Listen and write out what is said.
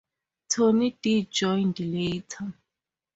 Tony D joined later.